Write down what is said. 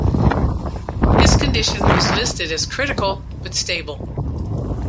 His condition was listed as critical but stable.